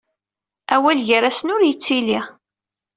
Awal gar-asen ur d-yettili.